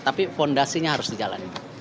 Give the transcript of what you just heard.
tapi fondasinya harus dijalani